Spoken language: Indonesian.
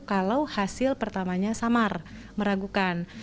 kalau hasil pertamanya samar meragukan